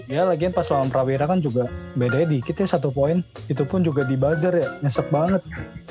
ya lagian pas lawan rawira kan juga bedanya dikit ya satu poin itupun juga di buzzer ya nyesep banget